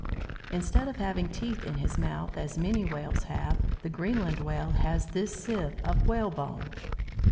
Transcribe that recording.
Instead of having teeth in his mouth, as many Whales have, the Greenland Whale has this sieve of "whalebone."